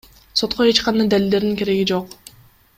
Сотко эч кандай далилдердин кереги жок.